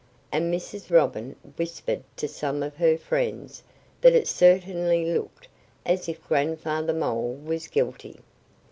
And Mrs. Robin whispered to some of her friends that it certainly looked as if Grandfather Mole was guilty.